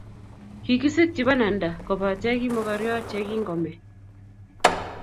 Kikisikchi pananda kobate ki mokoryot ye kingomee